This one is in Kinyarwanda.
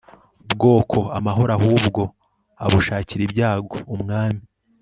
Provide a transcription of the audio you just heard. bwoko amahoro ahubwo abushakira ibyago Umwami